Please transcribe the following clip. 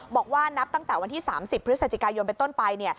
บอกว่านับตั้งแต่วันที่๓๐พฤศจิกายนเป็นต้นไป